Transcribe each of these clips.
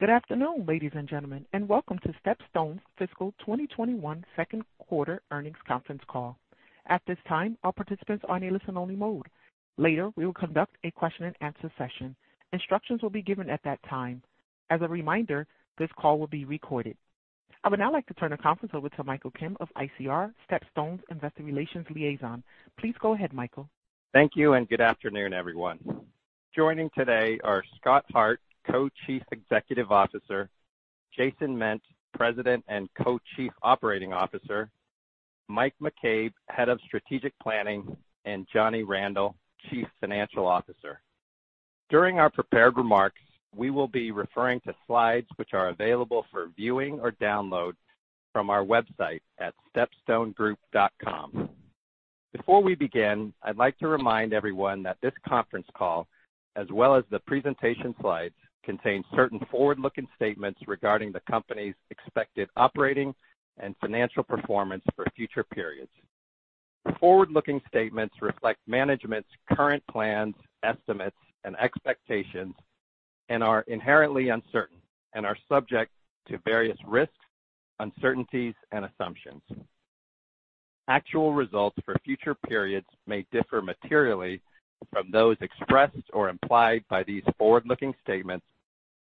Good afternoon, ladies and gentlemen, and welcome to StepStone's fiscal 2021 second quarter earnings conference call. At this time, all participants are on a listen-only mode. Later, we will conduct a question-and-answer session. Instructions will be given at that time. As a reminder, this call will be recorded. I would now like to turn the conference over to Michael Kim of ICR, StepStone's investor relations liaison. Please go ahead, Michael. Thank you, and good afternoon, everyone. Joining today are Scott Hart, Co-Chief Executive Officer, Jason Ment, President and Co-Chief Operating Officer, Mike McCabe, Head of Strategic Planning, and Johnny Randel, Chief Financial Officer. During our prepared remarks, we will be referring to slides which are available for viewing or download from our website at stepstonegroup.com. Before we begin, I'd like to remind everyone that this conference call, as well as the presentation slides, contains certain forward-looking statements regarding the company's expected operating and financial performance for future periods. The forward-looking statements reflect management's current plans, estimates, and expectations, and are inherently uncertain and are subject to various risks, uncertainties, and assumptions. Actual results for future periods may differ materially from those expressed or implied by these forward-looking statements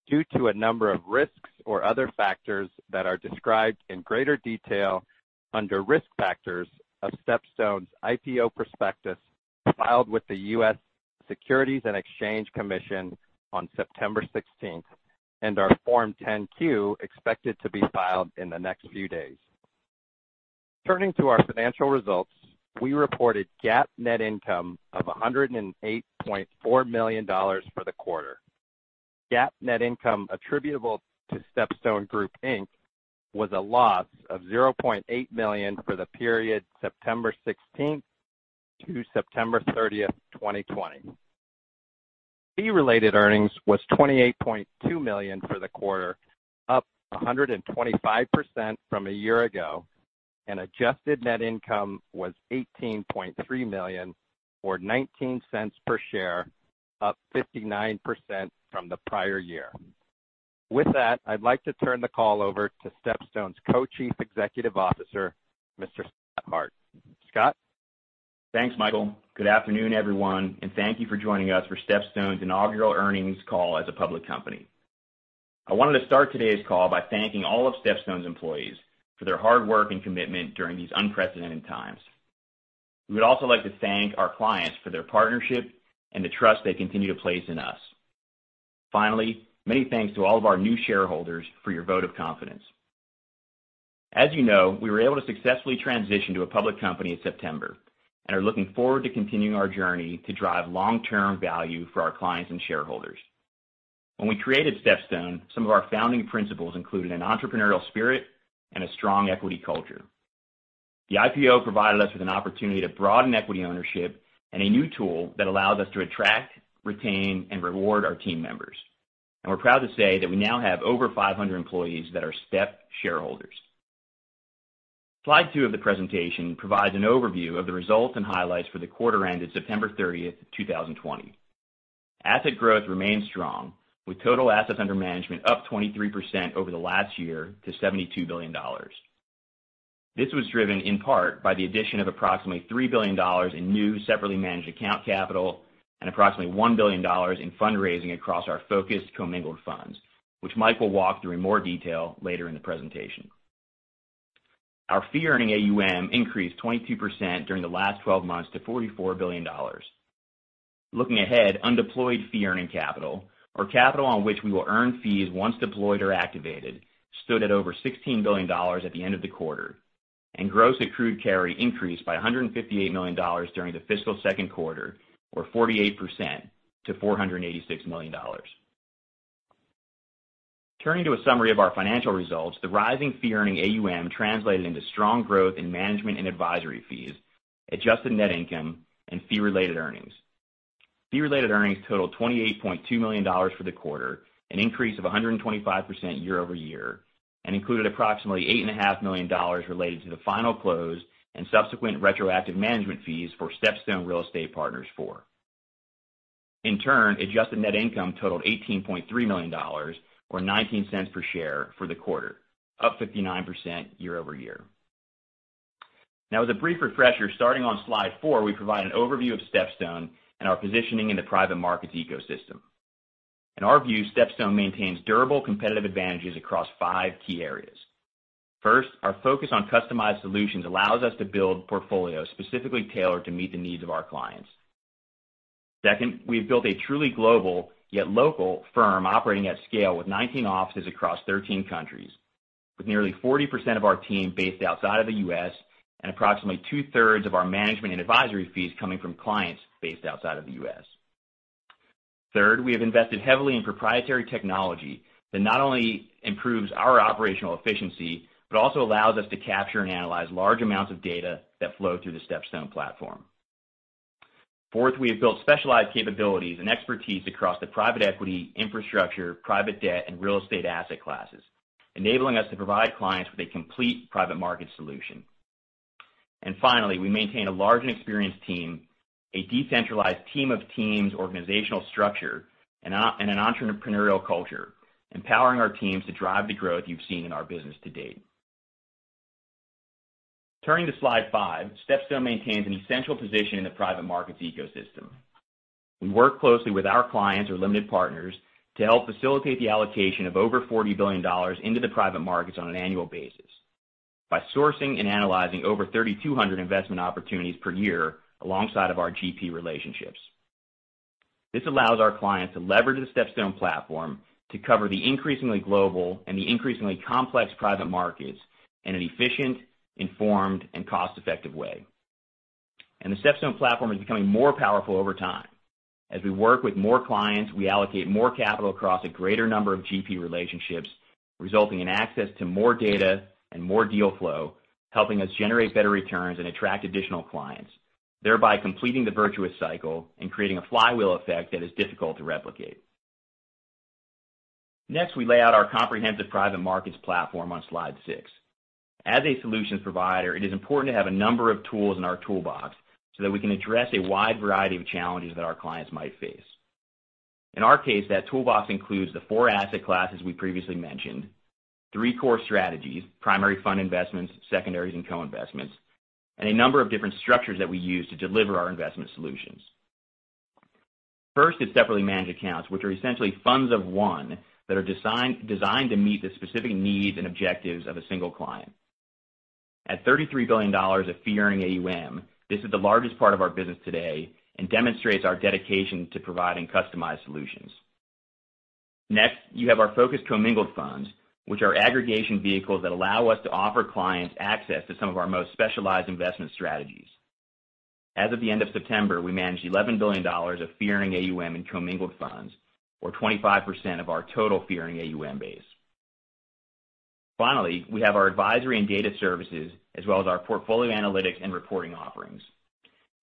due to a number of risks or other factors that are described in greater detail Risk Factors of StepStone's IPO prospectus filed with the U.S. Securities and Exchange Commission on September 16th and our Form 10-Q expected to be filed in the next few days. Turning to our financial results, we reported GAAP net income of $108.4 million for the quarter. GAAP net income attributable to StepStone Group Inc. was a loss of $0.8 million for the period September 16th to September 30th, 2020. Fee-related earnings was $28.2 million for the quarter, up 125% from a year ago, and adjusted net income was $18.3 million, or $0.19 per share, up 59% from the prior year. With that, I'd like to turn the call over to StepStone's Co-Chief Executive Officer, Mr. Scott Hart. Scott? Thanks, Michael. Good afternoon, everyone, and thank you for joining us for StepStone's inaugural earnings call as a public company. I wanted to start today's call by thanking all of StepStone's employees for their hard work and commitment during these unprecedented times. We would also like to thank our clients for their partnership and the trust they continue to place in us. Finally, many thanks to all of our new shareholders for your vote of confidence. As you know, we were able to successfully transition to a public company in September and are looking forward to continuing our journey to drive long-term value for our clients and shareholders. When we created StepStone, some of our founding principles included an entrepreneurial spirit and a strong equity culture. The IPO provided us with an opportunity to broaden equity ownership and a new tool that allows us to attract, retain, and reward our team members, and we're proud to say that we now have over 500 employees that are STEP shareholders. Slide 2 of the presentation provides an overview of the results and highlights for the quarter ended September 30th, 2020. Asset growth remained strong, with total assets under management up 23% over the last year to $72 billion. This was driven in part by the addition of approximately $3 billion in new separately managed account capital and approximately $1 billion in fundraising across our focused commingled funds, which Michael will walk through in more detail later in the presentation. Our fee-earning AUM increased 22% during the last 12 months to $44 billion. Looking ahead, undeployed fee-earning capital, or capital on which we will earn fees once deployed or activated, stood at over $16 billion at the end of the quarter, and gross accrued carry increased by $158 million during the fiscal second quarter, or 48% to $486 million. Turning to a summary of our financial results, the rising fee-earning AUM translated into strong growth in management and advisory fees, adjusted net income, and fee-related earnings. Fee-related earnings totaled $28.2 million for the quarter, an increase of 125% year-over-year, and included approximately $8.5 million related to the final close and subsequent retroactive management fees for StepStone Real Estate Partners IV. In turn, adjusted net income totaled $18.3 million, or $0.19 per share, for the quarter, up 59% year-over-year. Now, as a brief refresher, starting on slide 4, we provide an overview of StepStone and our positioning in the private markets ecosystem. In our view, StepStone maintains durable competitive advantages across five key areas. First, our focus on customized solutions allows us to build portfolios specifically tailored to meet the needs of our clients. Second, we have built a truly global, yet local, firm operating at scale with 19 offices across 13 countries, with nearly 40% of our team based outside of the U.S. and approximately two-thirds of our management and advisory fees coming from clients based outside of the U.S. Third, we have invested heavily in proprietary technology that not only improves our operational efficiency but also allows us to capture and analyze large amounts of data that flow through the StepStone platform. Fourth, we have built specialized capabilities and expertise across the private equity, infrastructure, private debt, and real estate asset classes, enabling us to provide clients with a complete private market solution. And finally, we maintain a large and experienced team, a decentralized team-of-teams organizational structure, and an entrepreneurial culture, empowering our teams to drive the growth you've seen in our business to date. Turning to slide 5, StepStone maintains an essential position in the private markets ecosystem. We work closely with our clients or limited partners to help facilitate the allocation of over $40 billion into the private markets on an annual basis by sourcing and analyzing over 3,200 investment opportunities per year alongside of our GP relationships. This allows our clients to leverage the StepStone platform to cover the increasingly global and the increasingly complex private markets in an efficient, informed, and cost-effective way. The StepStone platform is becoming more powerful over time. As we work with more clients, we allocate more capital across a greater number of GP relationships, resulting in access to more data and more deal flow, helping us generate better returns and attract additional clients, thereby completing the virtuous cycle and creating a flywheel effect that is difficult to replicate. Next, we lay out our comprehensive private markets platform on slide six. As a solutions provider, it is important to have a number of tools in our toolbox so that we can address a wide variety of challenges that our clients might face. In our case, that toolbox includes the four asset classes we previously mentioned, three core strategies, primary fund investments, secondaries, and co-investments, and a number of different structures that we use to deliver our investment solutions. First is separately managed accounts, which are essentially funds of one that are designed to meet the specific needs and objectives of a single client. At $33 billion of fee-earning AUM, this is the largest part of our business today and demonstrates our dedication to providing customized solutions. Next, you have our focused commingled funds, which are aggregation vehicles that allow us to offer clients access to some of our most specialized investment strategies. As of the end of September, we managed $11 billion of fee-earning AUM in commingled funds, or 25% of our total fee-earning AUM base. Finally, we have our advisory and data services, as well as our portfolio analytics and reporting offerings.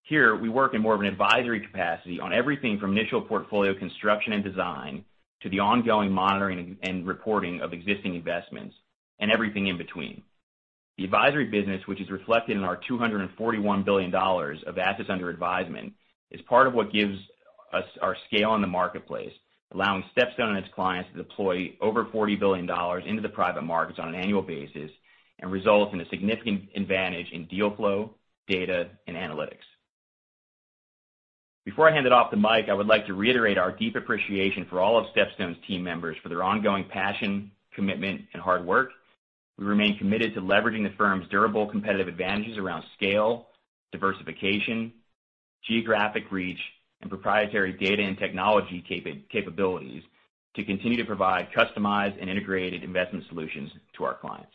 Here, we work in more of an advisory capacity on everything from initial portfolio construction and design to the ongoing monitoring and reporting of existing investments and everything in between. The advisory business, which is reflected in our $241 billion of assets under advisement, is part of what gives us our scale in the marketplace, allowing StepStone and its clients to deploy over $40 billion into the private markets on an annual basis and results in a significant advantage in deal flow, data, and analytics. Before I hand it off to Mike, I would like to reiterate our deep appreciation for all of StepStone's team members for their ongoing passion, commitment, and hard work. We remain committed to leveraging the firm's durable competitive advantages around scale, diversification, geographic reach, and proprietary data and technology capabilities to continue to provide customized and integrated investment solutions to our clients.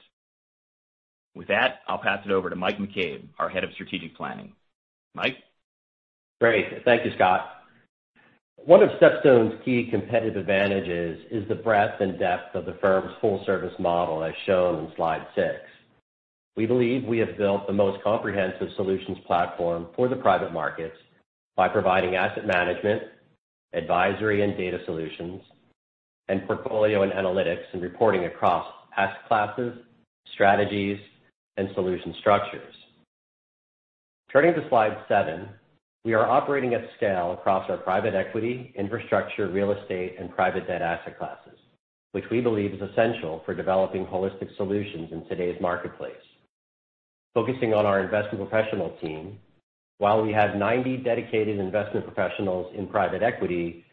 With that, I'll pass it over to Mike McCabe, our head of strategic planning. Mike? Great. Thank you, Scott. One of StepStone's key competitive advantages is the breadth and depth of the firm's full-service model as shown in slide 6. We believe we have built the most comprehensive solutions platform for the private markets by providing asset management, advisory and data solutions, and portfolio and analytics and reporting across asset classes, strategies, and solution structures. Turning to slide 7, we are operating at scale across our private equity, infrastructure, real estate, and private debt asset classes, which we believe is essential for developing holistic solutions in today's marketplace. Focusing on our investment professional team, while we have 90 dedicated investment professionals in private equity,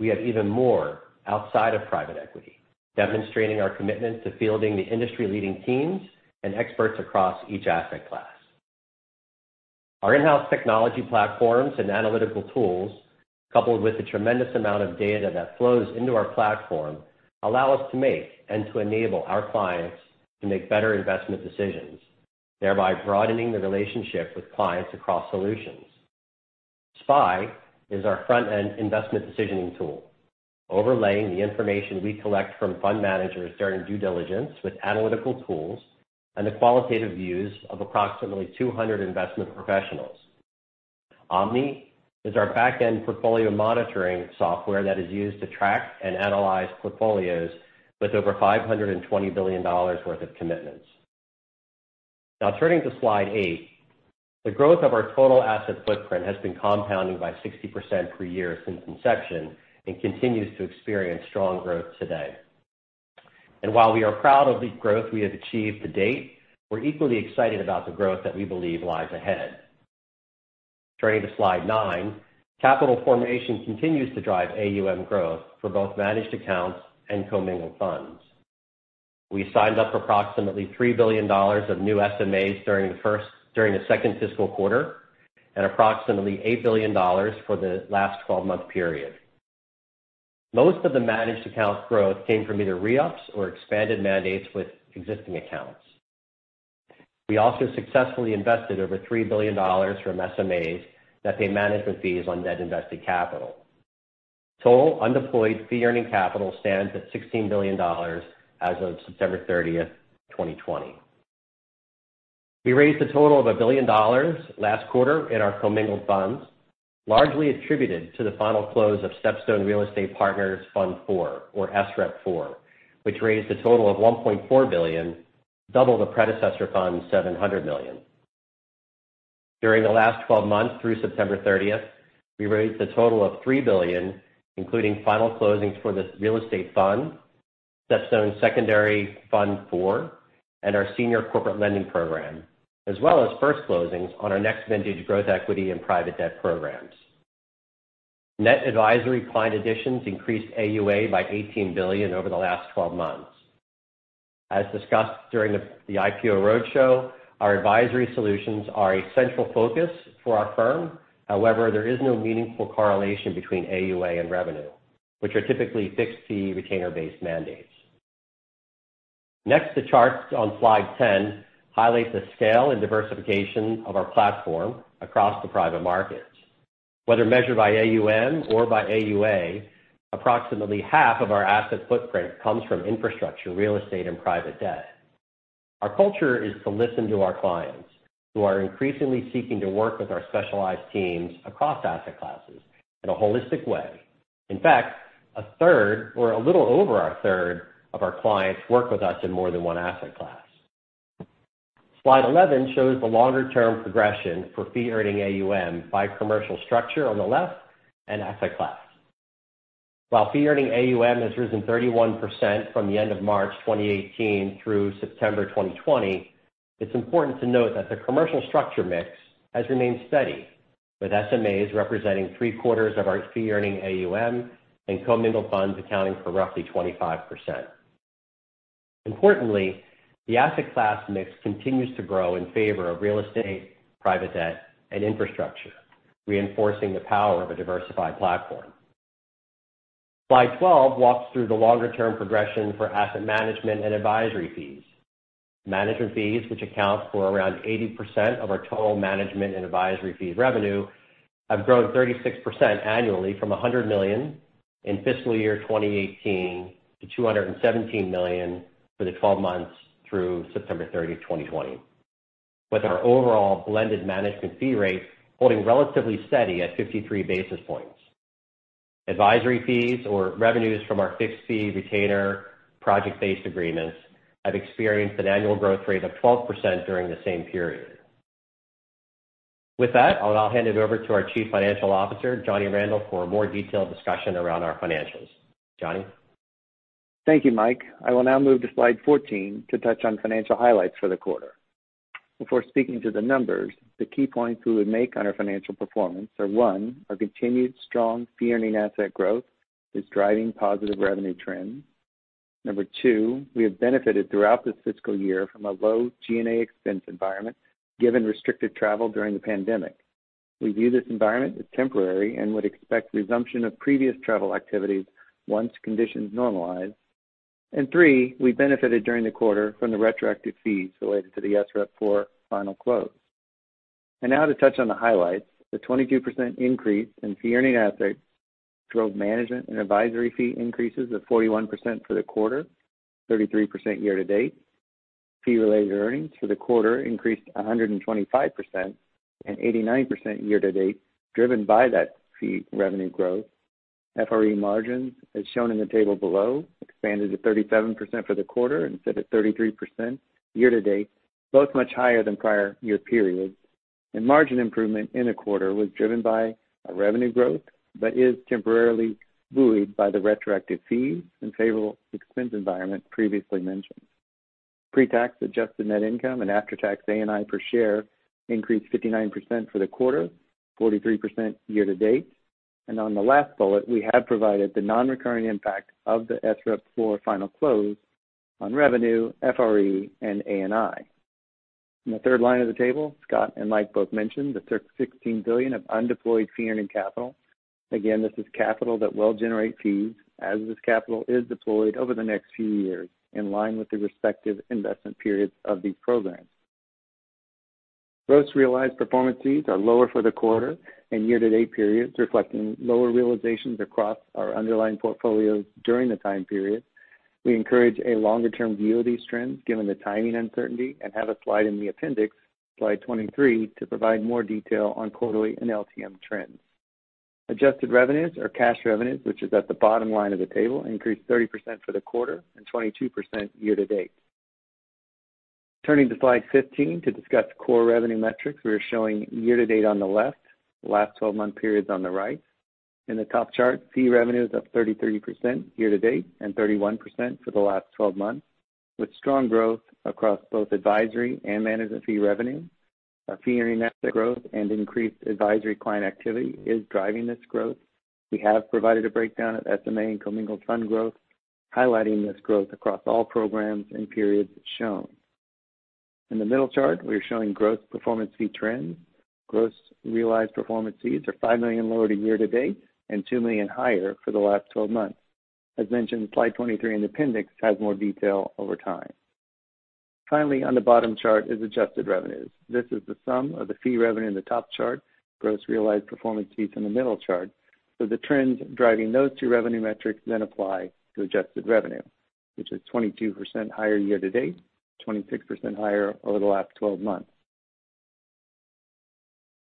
we have even more outside of private equity, demonstrating our commitment to fielding the industry-leading teams and experts across each asset class. Our in-house technology platforms and analytical tools, coupled with the tremendous amount of data that flows into our platform, allow us to make and to enable our clients to make better investment decisions, thereby broadening the relationship with clients across solutions. SPI is our front-end investment decisioning tool, overlaying the information we collect from fund managers during due diligence with analytical tools and the qualitative views of approximately 200 investment professionals. Omni is our back-end portfolio monitoring software that is used to track and analyze portfolios with over $520 billion worth of commitments. Now, turning to slide 8, the growth of our total asset footprint has been compounding by 60% per year since inception and continues to experience strong growth today, and while we are proud of the growth we have achieved to date, we're equally excited about the growth that we believe lies ahead. Turning to slide 9, capital formation continues to drive AUM growth for both managed accounts and commingled funds. We signed up approximately $3 billion of new SMAs during the second fiscal quarter and approximately $8 billion for the last 12-month period. Most of the managed account growth came from either re-ups or expanded mandates with existing accounts. We also successfully invested over $3 billion from SMAs that pay management fees on net invested capital. Total undeployed fee-earning capital stands at $16 billion as of September 30th, 2020. We raised a total of $1 billion last quarter in our commingled funds, largely attributed to the final close of StepStone Real Estate Partners Fund IV, or SREP IV, which raised a total of $1.4 billion, double the predecessor fund's $700 million. During the last 12 months through September 30th, we raised a total of $3 billion, including final closings for the real estate fund, StepStone's Secondary Fund IV, and our senior corporate lending program, as well as first closings on our next vintage growth equity and private debt programs. Net advisory client additions increased AUA by $18 billion over the last 12 months. As discussed during the IPO Roadshow, our advisory solutions are a central focus for our firm. However, there is no meaningful correlation between AUA and revenue, which are typically fixed fee retainer-based mandates. Next, the charts on slide 10 highlight the scale and diversification of our platform across the private markets. Whether measured by AUM or by AUA, approximately half of our asset footprint comes from infrastructure, real estate, and private debt. Our culture is to listen to our clients, who are increasingly seeking to work with our specialized teams across asset classes in a holistic way. In fact, a third, or a little over a third, of our clients work with us in more than one asset class. Slide 11 shows the longer-term progression for Fee-Earning AUM by commercial structure on the left and asset class. While Fee-Earning AUM has risen 31% from the end of March 2018 through September 2020, it's important to note that the commercial structure mix has remained steady, with SMAs representing three-quarters of our Fee-Earning AUM and commingled funds accounting for roughly 25%. Importantly, the asset class mix continues to grow in favor of real estate, private debt, and infrastructure, reinforcing the power of a diversified platform. Slide 12 walks through the longer-term progression for asset management and advisory fees. Management fees, which account for around 80% of our total management and advisory fee revenue, have grown 36% annually from $100 million in fiscal year 2018 to $217 million for the 12 months through September 30, 2020, with our overall blended management fee rate holding relatively steady at 53 basis points. Advisory fees, or revenues from our fixed fee retainer project-based agreements, have experienced an annual growth rate of 12% during the same period. With that, I'll now hand it over to our Chief Financial Officer, Johnny Randel, for a more detailed discussion around our financials. Johnny? Thank you, Mike. I will now move to slide 14 to touch on financial highlights for the quarter. Before speaking to the numbers, the key points we would make on our financial performance are: one, our continued strong fee-earning asset growth is driving positive revenue trends. Number two, we have benefited throughout this fiscal year from a low G&A expense environment given restricted travel during the pandemic. We view this environment as temporary and would expect resumption of previous travel activities once conditions normalize, and three, we benefited during the quarter from the retroactive fees related to the SREP IV final close, and now to touch on the highlights, the 22% increase in fee-earning assets drove management and advisory fee increases of 41% for the quarter, 33% year to date. Fee-related earnings for the quarter increased 125% and 89% year to date, driven by that fee revenue growth. FRE margins, as shown in the table below, expanded to 37% for the quarter instead of 33% year to date, both much higher than prior year periods. And margin improvement in the quarter was driven by revenue growth but is temporarily buoyed by the retroactive fees and favorable expense environment previously mentioned. Pre-tax adjusted net income and after-tax ANI per share increased 59% for the quarter, 43% year to date. And on the last bullet, we have provided the non-recurring impact of the SREP IV final close on revenue, FRE, and ANI. In the third line of the table, Scott and Mike both mentioned the $16 billion of undeployed fee-earning capital. Again, this is capital that will generate fees as this capital is deployed over the next few years in line with the respective investment periods of these programs. Gross realized performance fees are lower for the quarter and year-to-date periods, reflecting lower realizations across our underlying portfolios during the time period. We encourage a longer-term view of these trends given the timing uncertainty and have a slide in the appendix, slide 23, to provide more detail on quarterly and LTM trends. Adjusted revenues, or cash revenues, which is at the bottom line of the table, increased 30% for the quarter and 22% year to date. Turning to slide 15 to discuss core revenue metrics, we are showing year-to-date on the left, last 12-month periods on the right. In the top chart, fee revenues of 33% year to date and 31% for the last 12 months, with strong growth across both advisory and management fee revenue. Our fee-earning asset growth and increased advisory client activity is driving this growth. We have provided a breakdown of SMA and commingled fund growth, highlighting this growth across all programs and periods shown. In the middle chart, we are showing gross performance fee trends. Gross realized performance fees are $5 million lower year to date and $2 million higher for the last 12 months. As mentioned, Slide 23 in the appendix has more detail over time. Finally, on the bottom chart is adjusted revenues. This is the sum of the fee revenue in the top chart, gross realized performance fees in the middle chart, with the trends driving those two revenue metrics then apply to adjusted revenue, which is 22% higher year to date, 26% higher over the last 12 months.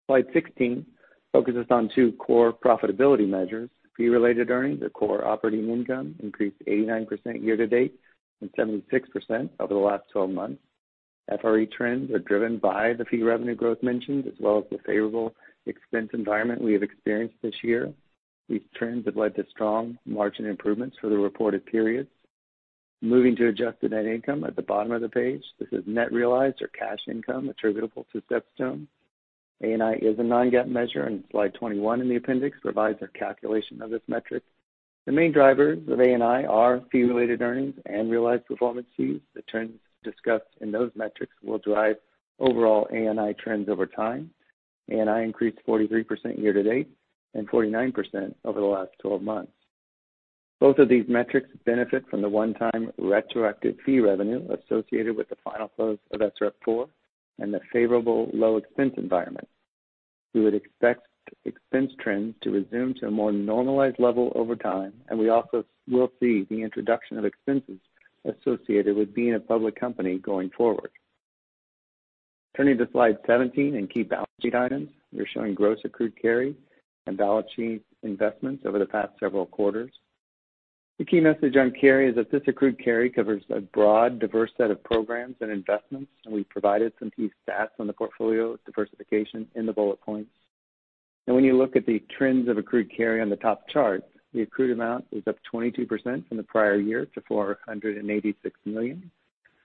Slide 16 focuses on two core profitability measures. Fee-related earnings, or core operating income, increased 89% year to date and 76% over the last 12 months. FRE trends are driven by the fee revenue growth mentioned, as well as the favorable expense environment we have experienced this year. These trends have led to strong margin improvements for the reported periods. Moving to adjusted net income at the bottom of the page, this is net realized, or cash income, attributable to StepStone. ANI is a Non-GAAP measure, and slide 21 in the appendix provides a calculation of this metric. The main drivers of ANI are fee-related earnings and realized performance fees. The trends discussed in those metrics will drive overall ANI trends over time. ANI increased 43% year to date and 49% over the last 12 months. Both of these metrics benefit from the one-time retroactive fee revenue associated with the final close of SREP IV and the favorable low expense environment. We would expect expense trends to resume to a more normalized level over time, and we also will see the introduction of expenses associated with being a public company going forward. Turning to slide 17 and key balance sheet items, we're showing gross accrued carry and balance sheet investments over the past several quarters. The key message on carry is that this accrued carry covers a broad, diverse set of programs and investments, and we've provided some key stats on the portfolio diversification in the bullet points. And when you look at the trends of accrued carry on the top chart, the accrued amount is up 22% from the prior year to $486 million.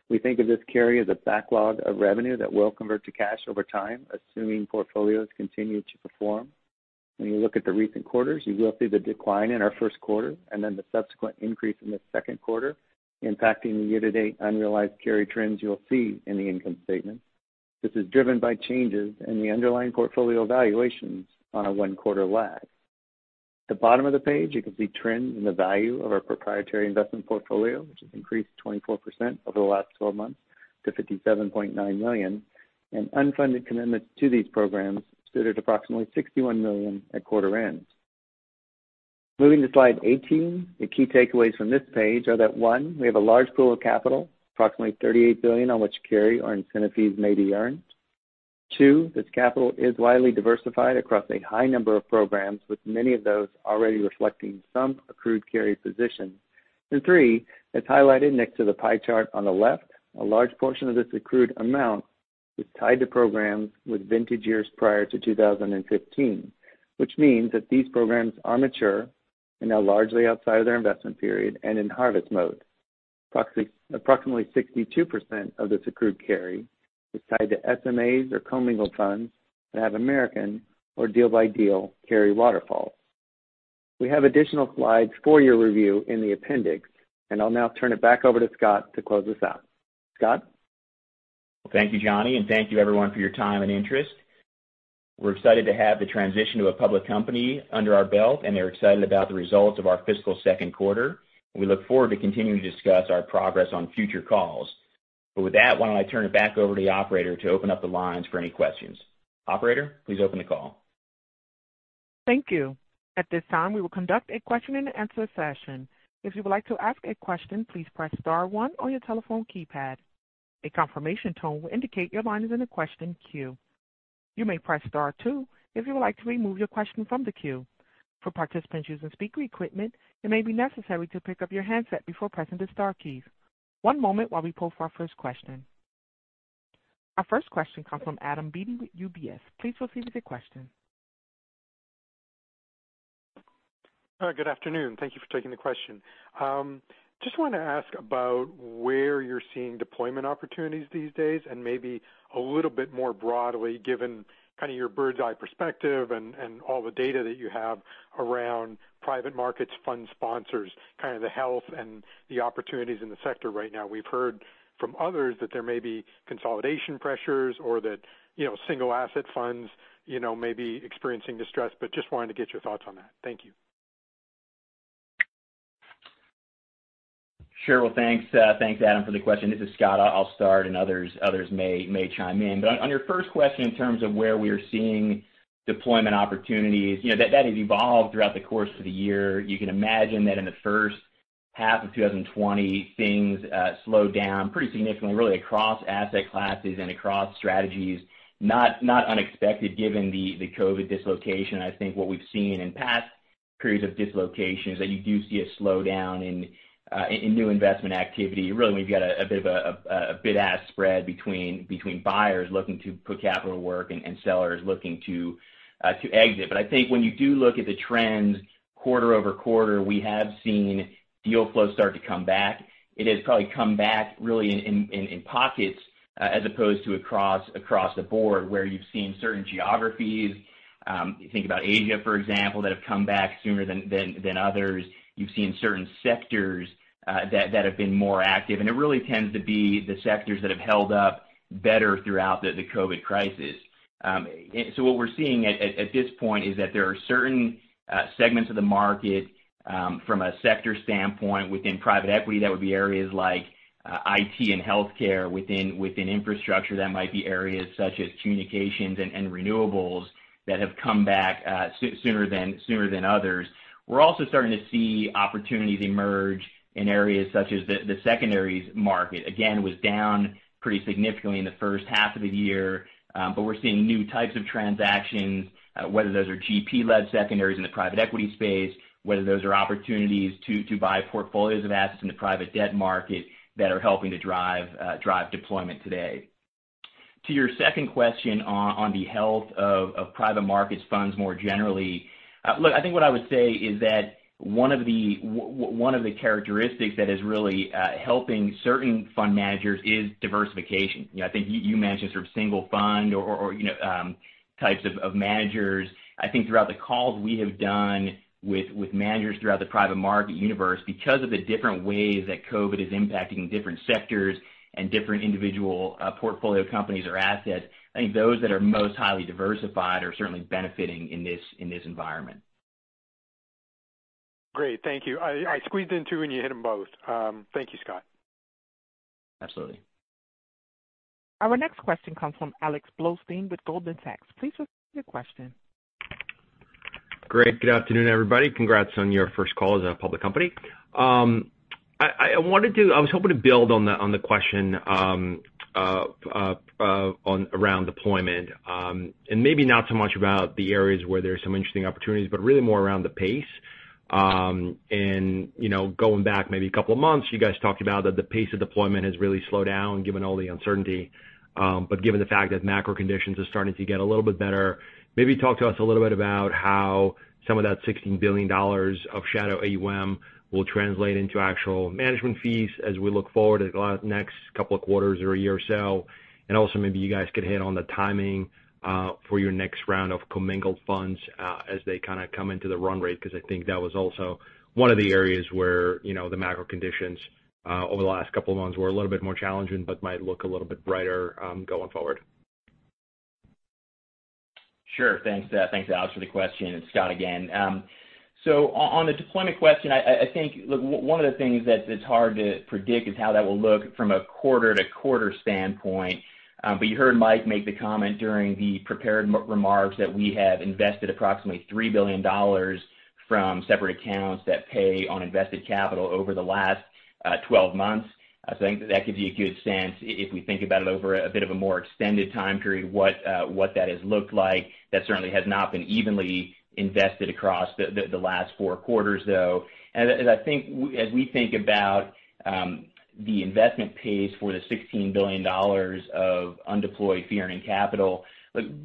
We think of this carry as a backlog of revenue that will convert to cash over time, assuming portfolios continue to perform. When you look at the recent quarters, you will see the decline in our first quarter and then the subsequent increase in the second quarter, impacting the year-to-date unrealized carry trends you'll see in the income statement. This is driven by changes in the underlying portfolio valuations on a one-quarter lag. At the bottom of the page, you can see trends in the value of our proprietary investment portfolio, which has increased 24% over the last 12 months to $57.9 million, and unfunded commitments to these programs stood at approximately $61 million at quarter end. Moving to slide 18, the key takeaways from this page are that, one, we have a large pool of capital, approximately $38 billion, on which carry or incentive fees may be earned. Two, this capital is widely diversified across a high number of programs, with many of those already reflecting some accrued carry positions. And three, as highlighted next to the pie chart on the left, a large portion of this accrued amount is tied to programs with vintage years prior to 2015, which means that these programs are mature and are largely outside of their investment period and in harvest mode. Approximately 62% of this accrued carry is tied to SMAs or commingled funds that have American or deal-by-deal carry waterfalls. We have additional slides for your review in the appendix, and I'll now turn it back over to Scott to close this out. Scott? Thank you, Johnny, and thank you, everyone, for your time and interest. We're excited to have the transition to a public company under our belt, and they're excited about the results of our fiscal second quarter. We look forward to continuing to discuss our progress on future calls. But with that, why don't I turn it back over to the operator to open up the lines for any questions? Operator, please open the call. Thank you. At this time, we will conduct a question-and-answer session. If you would like to ask a question, please press star one on your telephone keypad. A confirmation tone will indicate your line is in a question queue. You may press star two if you would like to remove your question from the queue. For participants using speaker equipment, it may be necessary to pick up your handset before pressing the star keys. One moment while we pull for our first question. Our first question comes from Adam Beatty with UBS. Please proceed with your question. Hi, good afternoon. Thank you for taking the question. Just wanted to ask about where you're seeing deployment opportunities these days and maybe a little bit more broadly, given kind of your bird's-eye perspective and all the data that you have around private markets, fund sponsors, kind of the health and the opportunities in the sector right now. We've heard from others that there may be consolidation pressures or that single asset funds may be experiencing distress, but just wanted to get your thoughts on that. Thank you. Sure, thanks. Thanks, Adam, for the question. This is Scott. I'll start, and others may chime in. But on your first question in terms of where we are seeing deployment opportunities, that has evolved throughout the course of the year. You can imagine that in the first half of 2020, things slowed down pretty significantly, really across asset classes and across strategies, not unexpected given the COVID dislocation. I think what we've seen in past periods of dislocation is that you do see a slowdown in new investment activity. Really, we've got a bit of a bid-ask spread between buyers looking to put capital to work and sellers looking to exit. But I think when you do look at the trends, quarter-over-quarter, we have seen deal flows start to come back. It has probably come back really in pockets as opposed to across the board where you've seen certain geographies. You think about Asia, for example, that have come back sooner than others. You've seen certain sectors that have been more active, and it really tends to be the sectors that have held up better throughout the COVID crisis, so what we're seeing at this point is that there are certain segments of the market from a sector standpoint within private equity that would be areas like IT and healthcare within infrastructure. That might be areas such as communications and renewables that have come back sooner than others. We're also starting to see opportunities emerge in areas such as the secondaries market. Again, it was down pretty significantly in the first half of the year, but we're seeing new types of transactions, whether those are GP-led secondaries in the private equity space, whether those are opportunities to buy portfolios of assets in the private debt market that are helping to drive deployment today. To your second question on the health of private markets funds more generally, look, I think what I would say is that one of the characteristics that is really helping certain fund managers is diversification. I think you mentioned sort of single fund or types of managers. I think throughout the calls we have done with managers throughout the private market universe, because of the different ways that COVID is impacting different sectors and different individual portfolio companies or assets, I think those that are most highly diversified are certainly benefiting in this environment. Great. Thank you. I squeezed in two and you hit them both. Thank you, Scott. Absolutely. Our next question comes from Alex Blostein with Goldman Sachs. Please repeat your question. Great. Good afternoon, everybody. Congrats on your first call as a public company. I was hoping to build on the question around deployment and maybe not so much about the areas where there are some interesting opportunities, but really more around the pace. And going back maybe a couple of months, you guys talked about that the pace of deployment has really slowed down given all the uncertainty. But given the fact that macro conditions are starting to get a little bit better, maybe talk to us a little bit about how some of that $16 billion of shadow AUM will translate into actual management fees as we look forward to the next couple of quarters or a year or so. Also maybe you guys could hit on the timing for your next round of commingled funds as they kind of come into the run rate because I think that was also one of the areas where the macro conditions over the last couple of months were a little bit more challenging but might look a little bit brighter going forward. Sure. Thanks, Alex, for the question. And Scott, again. So on the deployment question, I think one of the things that's hard to predict is how that will look from a quarter-to-quarter standpoint. But you heard Mike make the comment during the prepared remarks that we have invested approximately $3 billion from separate accounts that pay on invested capital over the last 12 months. So I think that gives you a good sense if we think about it over a bit of a more extended time period, what that has looked like. That certainly has not been evenly invested across the last four quarters, though. As we think about the investment pace for the $16 billion of undeployed fee-earning capital,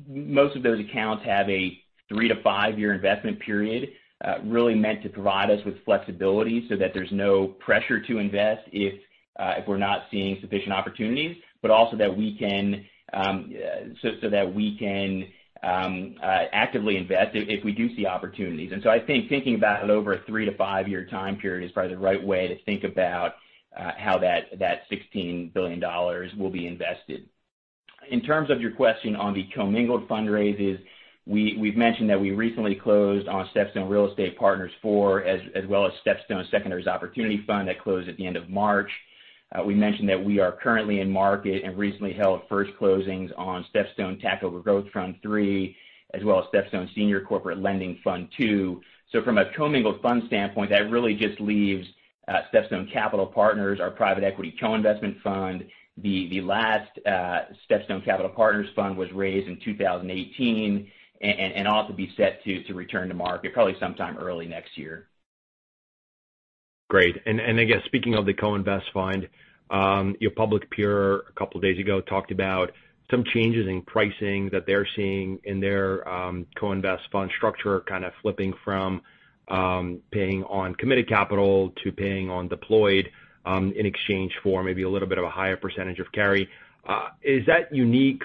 most of those accounts have a three- to five-year investment period really meant to provide us with flexibility so that there's no pressure to invest if we're not seeing sufficient opportunities, but also that we can actively invest if we do see opportunities. So I think thinking about it over a three- to five-year time period is probably the right way to think about how that $16 billion will be invested. In terms of your question on the commingled fundraises, we've mentioned that we recently closed on StepStone Real Estate Partners IV as well as StepStone Secondary Opportunities Fund IV that closed at the end of March. We mentioned that we are currently in market and recently held first closings on StepStone Tactical Growth Fund III as well as StepStone Senior Corporate Lending Fund II. So from a commingled fund standpoint, that really just leaves StepStone Capital Partners, our private equity co-investment fund. The last StepStone Capital Partners fund was raised in 2018 and ought to be set to return to market probably sometime early next year. Great. And I guess speaking of the co-invest fund, your public peer a couple of days ago talked about some changes in pricing that they're seeing in their co-invest fund structure kind of flipping from paying on committed capital to paying on deployed in exchange for maybe a little bit of a higher percentage of carry. Is that unique?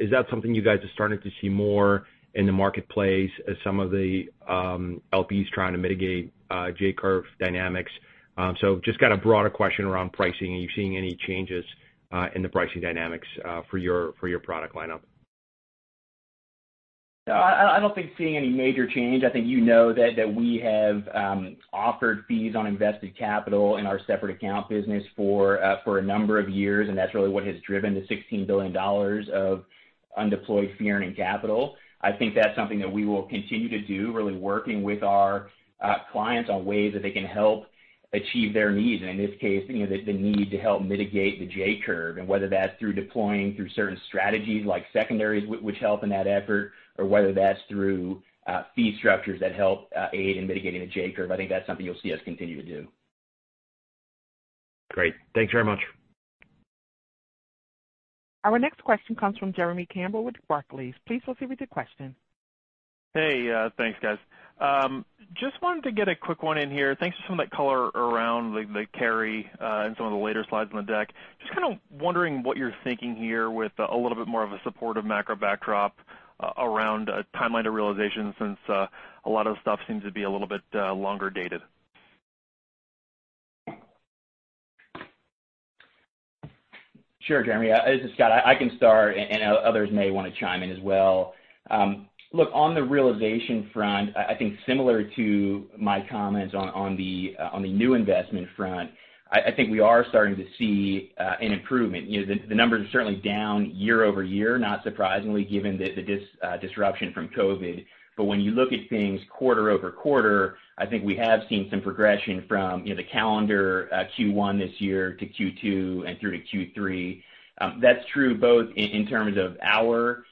Is that something you guys are starting to see more in the marketplace as some of the LPs trying to mitigate J-Curve dynamics? So just kind of broader question around pricing. Are you seeing any changes in the pricing dynamics for your product lineup? I don't think seeing any major change. I think you know that we have offered fees on invested capital in our separate account business for a number of years, and that's really what has driven the $16 billion of undeployed fee-earning capital. I think that's something that we will continue to do, really working with our clients on ways that they can help achieve their needs, and in this case, the need to help mitigate the J-Curve, and whether that's through deploying through certain strategies like secondaries, which help in that effort, or whether that's through fee structures that help aid in mitigating the J-Curve, I think that's something you'll see us continue to do. Great. Thanks very much. Our next question comes from Jeremy Campbell with Barclays. Please proceed with your question. Hey. Thanks, guys. Just wanted to get a quick one in here. Thanks for some of that color around the carry in some of the later slides on the deck. Just kind of wondering what you're thinking here with a little bit more of a supportive macro backdrop around a timeline to realization since a lot of the stuff seems to be a little bit longer dated. Sure, Jeremy. This is Scott. I can start, and others may want to chime in as well. Look, on the realization front, I think similar to my comments on the new investment front, I think we are starting to see an improvement. The numbers are certainly down year-over-year, not surprisingly given the disruption from COVID. But when you look at things quarter-over-quarter, I think we have seen some progression from the calendar Q1 this year to Q2 and through to Q3. That's true both in terms of our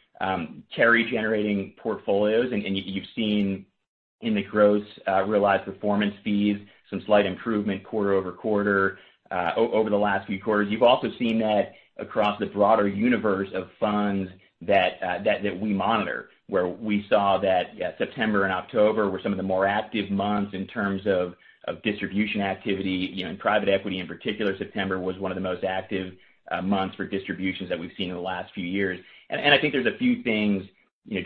carry-generating portfolios, and you've seen in the gross realized performance fees some slight improvement quarter-over-quarter over the last few quarters. You've also seen that across the broader universe of funds that we monitor, where we saw that September and October were some of the more active months in terms of distribution activity. In private equity in particular, September was one of the most active months for distributions that we've seen in the last few years. And I think there's a few things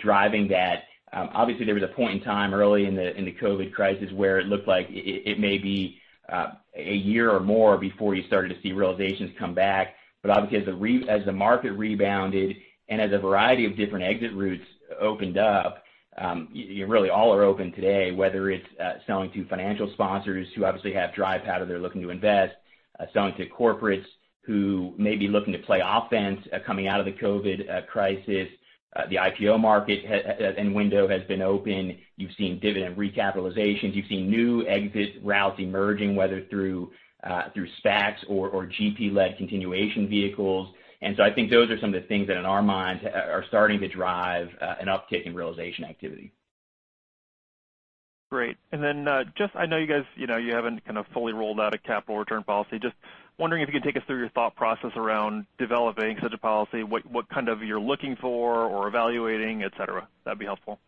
driving that. Obviously, there was a point in time early in the COVID crisis where it looked like it may be a year or more before you started to see realizations come back. But obviously, as the market rebounded and as a variety of different exit routes opened up, really all are open today, whether it's selling to financial sponsors who obviously have dry powder they're looking to invest, selling to corporates who may be looking to play offense coming out of the COVID crisis. The IPO market window has been open. You've seen dividend recapitalizations. You've seen new exit routes emerging, whether through SPACs or GP-led continuation vehicles. I think those are some of the things that in our minds are starting to drive an uptick in realization activity. Great. And then, just, I know you guys haven't kind of fully rolled out a capital return policy. Just wondering if you could take us through your thought process around developing such a policy, what kind of you're looking for or evaluating, etc. That'd be helpful.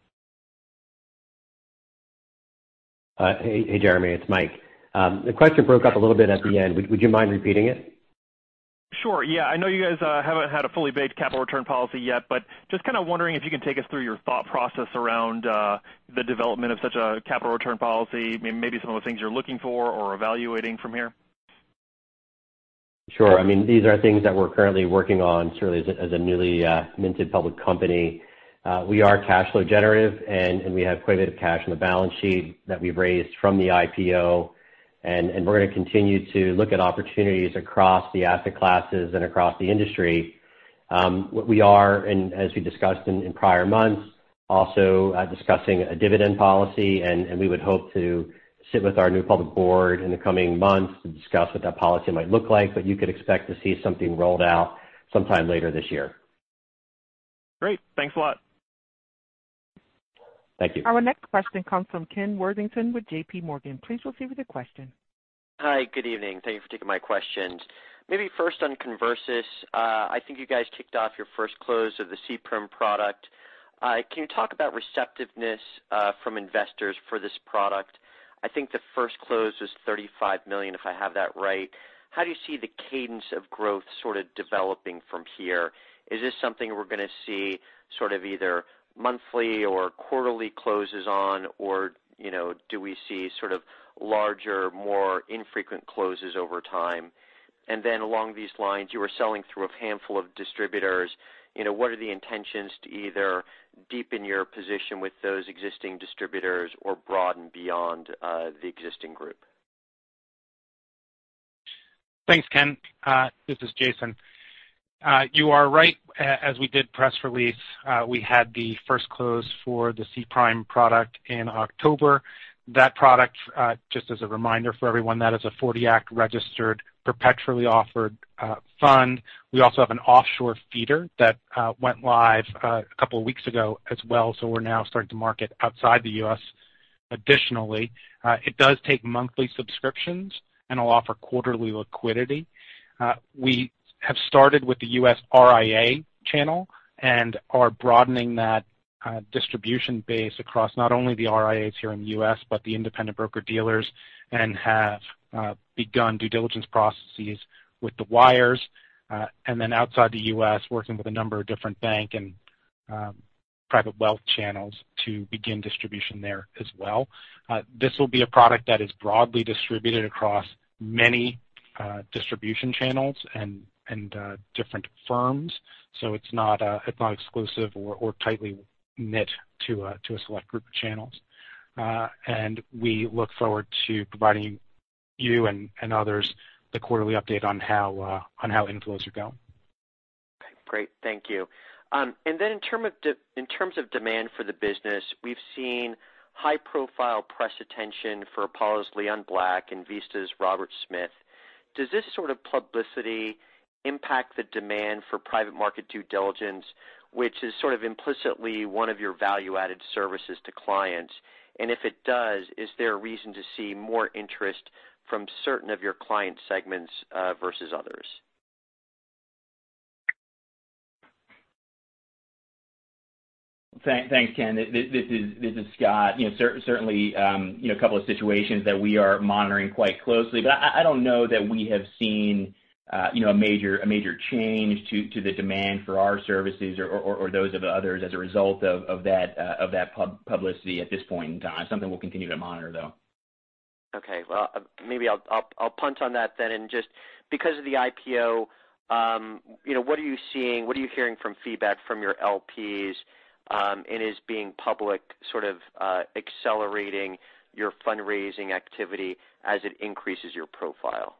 Hey, Jeremy. It's Mike. The question broke up a little bit at the end. Would you mind repeating it? Sure. Yeah. I know you guys haven't had a fully baked capital return policy yet, but just kind of wondering if you can take us through your thought process around the development of such a capital return policy, maybe some of the things you're looking for or evaluating from here? Sure. I mean, these are things that we're currently working on certainly as a newly minted public company. We are cash flow generative, and we have quite a bit of cash on the balance sheet that we've raised from the IPO. And we're going to continue to look at opportunities across the asset classes and across the industry. We are, as we discussed in prior months, also discussing a dividend policy, and we would hope to sit with our new public board in the coming months to discuss what that policy might look like. But you could expect to see something rolled out sometime later this year. Great. Thanks a lot. Thank you. Our next question comes from Ken Worthington with J.P. Morgan. Please proceed with your question. Hi. Good evening. Thank you for taking my questions. Maybe first on Conversus, I think you guys kicked off your first close of the CPRIM product. Can you talk about receptiveness from investors for this product? I think the first close was $35 million, if I have that right. How do you see the cadence of growth sort of developing from here? Is this something we're going to see sort of either monthly or quarterly closes on, or do we see sort of larger, more infrequent closes over time? And then along these lines, you were selling through a handful of distributors. What are the intentions to either deepen your position with those existing distributors or broaden beyond the existing group? Thanks, Ken. This is Jason. You are right. As we did press release, we had the first close for the CPRIM product in October. That product, just as a reminder for everyone, that is a 40-Act registered perpetually offered fund. We also have an offshore feeder that went live a couple of weeks ago as well, so we're now starting to market outside the U.S. additionally. It does take monthly subscriptions, and it'll offer quarterly liquidity. We have started with the U.S. RIA channel and are broadening that distribution base across not only the RIAs here in the U.S., but the independent broker-dealers, and have begun due diligence processes with the wires. And then outside the U.S., working with a number of different bank and private wealth channels to begin distribution there as well. This will be a product that is broadly distributed across many distribution channels and different firms, so it's not exclusive or tightly knit to a select group of channels, and we look forward to providing you and others the quarterly update on how inflows are going. Okay. Great. Thank you. And then in terms of demand for the business, we've seen high-profile press attention for Apollo's Leon Black and Vista's Robert Smith. Does this sort of publicity impact the demand for private market due diligence, which is sort of implicitly one of your value-added services to clients? And if it does, is there a reason to see more interest from certain of your client segments versus others? Thanks, Ken. This is Scott. Certainly, a couple of situations that we are monitoring quite closely. But I don't know that we have seen a major change to the demand for our services or those of others as a result of that publicity at this point in time. It's something we'll continue to monitor, though. Okay. Well, maybe I'll punt on that then, and just because of the IPO, what are you seeing? What are you hearing from feedback from your LPs, and is being public sort of accelerating your fundraising activity as it increases your profile?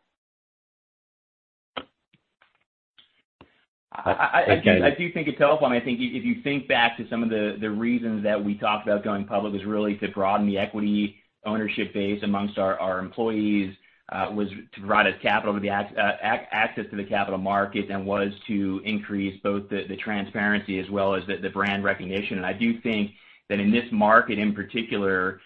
Again, I do think it's helpful. I mean, I think if you think back to some of the reasons that we talked about going public was really to broaden the equity ownership base among our employees, was to provide us capital to the access to the capital market, and was to increase both the transparency as well as the brand recognition. And I do think that in this market in particular,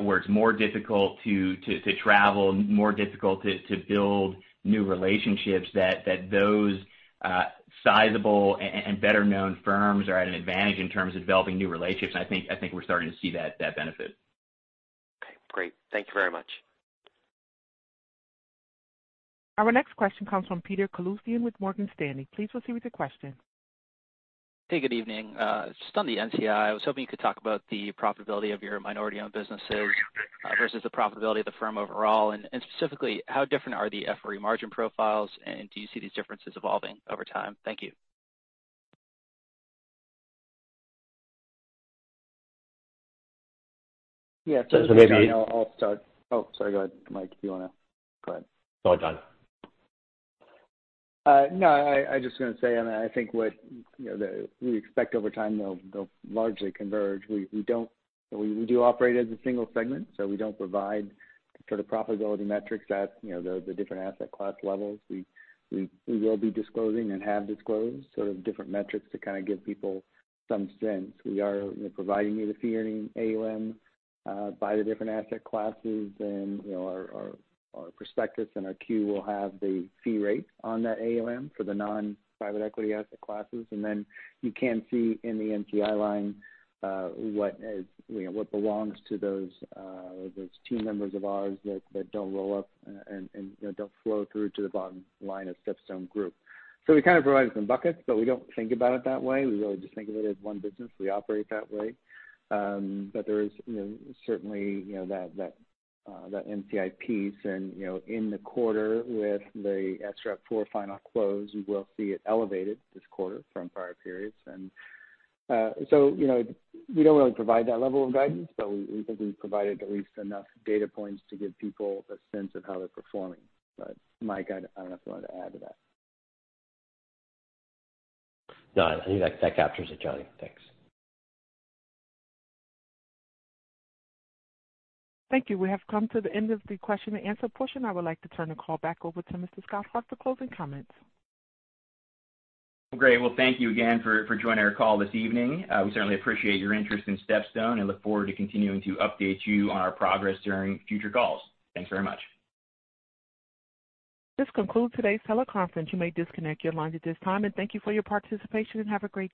where it's more difficult to travel, more difficult to build new relationships, that those sizable and better-known firms are at an advantage in terms of developing new relationships. And I think we're starting to see that benefit. Okay. Great. Thank you very much. Our next question comes from Ben Budish with Morgan Stanley. Please proceed with your question. Hey. Good evening. Just on the NCI, I was hoping you could talk about the profitability of your minority-owned businesses versus the profitability of the firm overall, and specifically, how different are the FRE margin profiles, and do you see these differences evolving over time? Thank you. Yeah. So maybe. Maybe I'll start. Oh, sorry. Go ahead, Mike. If you want to go ahead. No, I'm done. No, I was just going to say, I mean, I think what we expect over time, they'll largely converge. We do operate as a single segment, so we don't provide sort of profitability metrics at the different asset class levels. We will be disclosing and have disclosed sort of different metrics to kind of give people some sense. We are providing you the fee-earning AUM by the different asset classes. And our prospectus and our Q will have the fee rate on that AUM for the non-private equity asset classes. And then you can see in the NCI line what belongs to those team members of ours that don't roll up and don't flow through to the bottom line of StepStone Group. So we kind of provide some buckets, but we don't think about it that way. We really just think of it as one business. We operate that way. But there is certainly that NCI piece. And in the quarter with the SREP IV final close, you will see it elevated this quarter from prior periods. And so we don't really provide that level of guidance, but we think we've provided at least enough data points to give people a sense of how they're performing. But Mike, I don't know if you wanted to add to that. No. I think that captures it, Johnny. Thanks. Thank you. We have come to the end of the question-and-answer portion. I would like to turn the call back over to Mr. Scott Hart for closing comments. Great. Well, thank you again for joining our call this evening. We certainly appreciate your interest in StepStone and look forward to continuing to update you on our progress during future calls. Thanks very much. This concludes today's teleconference. You may disconnect your lines at this time. And thank you for your participation and have a great day.